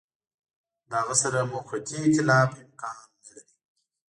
له هغه سره موقتي ایتلاف امکان نه لري.